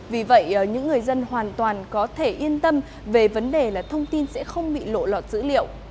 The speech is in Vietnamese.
vì vậy những người dân hoàn toàn có thể yên tâm về vấn đề là thông tin sẽ không bị lộ lọt dữ liệu